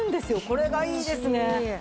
これがいいですね。